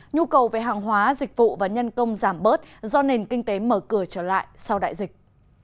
nhu cầu về hàng hóa dịch vụ và nhân công giảm bớt do nền kinh tế mở cửa trở lại sau đại dịch